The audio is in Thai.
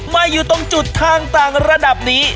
มาอยู่ตรงจุดทางต่างระดับนี้